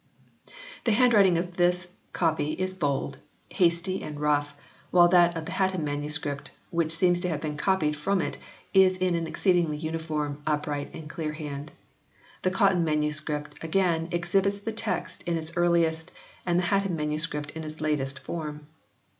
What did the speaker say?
The handwriting of this copy is bold, hasty and rough, while that of the Hatton MS., which seems to have been copied from it, is in an exceedingly uniform, upright and clear hand. The Cotton MS. again, exhibits the text in its earliest, and the Hatton MS. in its latest form.